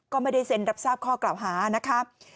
ก็ไม่ได้เซ็นรับทราบข้อกล่าวหานะครับ